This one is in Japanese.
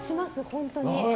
本当に。